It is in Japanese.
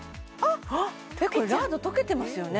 これラード溶けてますよね？